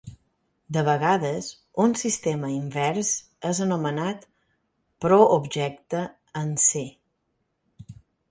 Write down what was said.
De vegades, un sistema invers és anomenat "proobjecte" en "C".